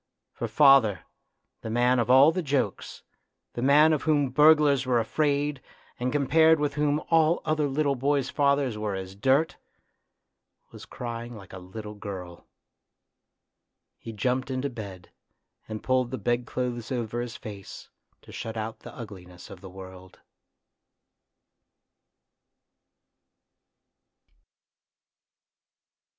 For father, the man of all the jokes, the man of whom burglars were afraid and compared with whom all other little boys' fathers were as dirt, was crying like a little girl. A TRAGEDY IN LITTLE 101 He jumped into bed and pulled the bed clothes over his face to shut out the ugliness of the world.